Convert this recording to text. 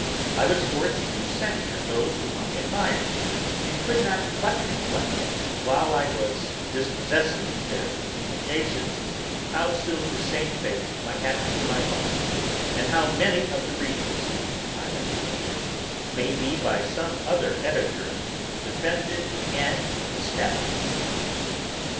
I was forced to censure those whom I admired, and could not but reflect, while I was dispossessing their emendations, how soon the same fate might happen to my own, and how many of the readings which I have corrected may be by some other editor defended and established.